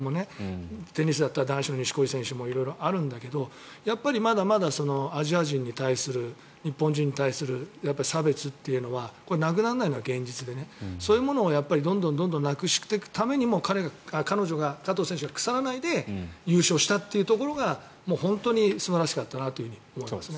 日本人選手の世界での台頭というのはスポーツ界において大谷選手を含めてゴルフ界でもどこでもテニスだったら男子の錦織選手も色々あるんだけどやっぱりまだまだアジア人に対する日本人に対する差別っていうのはなくならないのは現実でそういうものをどんどんなくしていくためにも加藤選手が腐らないで優勝したというところが本当に素晴らしかったなと思いますね。